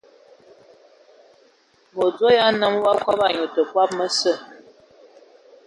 Mədzo ya nnəm wa kɔbɔ, anyu tə kɔbɔ məsə.